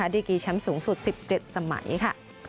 ดีกีแชมป์สูงสุด๑๗สมัยค่ะ